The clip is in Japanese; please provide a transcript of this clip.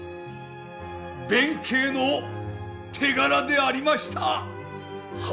弁慶の手柄でありました！